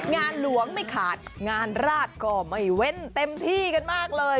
งานหลวงไม่ขาดงานราชก็ไม่เว้นเต็มที่กันมากเลย